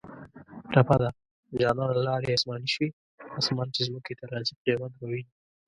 ټپه ده: جانانه لاړې اسماني شوې اسمان چې ځمکې ته راځي قیامت به وینه